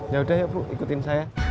ya udah ya bu ikutin saya